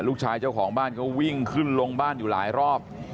เจ้าของบ้านก็วิ่งขึ้นลงบ้านอยู่หลายรอบ